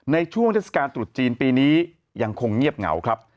ในช่วงเทศกาลตรุษจีนปีนี้ยังคงเงียบเหงาครับ